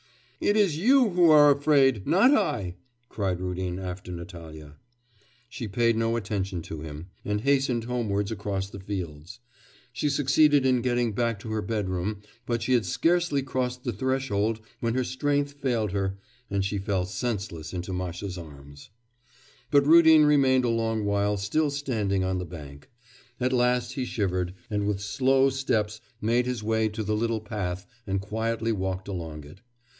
'It is you who are afraid, not I!' cried Rudin after Natalya. She paid no attention to him, and hastened homewards across the fields. She succeeded in getting back to her bedroom; but she had scarcely crossed the threshold when her strength failed her, and she fell senseless into Masha's arms. But Rudin remained a long while still standing on the bank. At last he shivered, and with slow steps made his way to the little path and quietly walked along it.